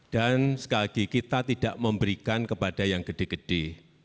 dan sekali lagi kita tidak memberikan kepada yang gede gede